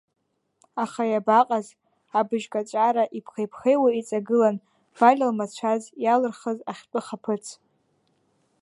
Аха иабаҟаз абыжькаҵәара иԥхеи-ԥхеиуа иҵагылан Валиа лмацәаз иалырхыз ахьтәы хаԥыц.